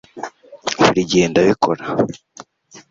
buri gihe ndabikora